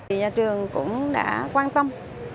thì nhà trường cũng đã quan tâm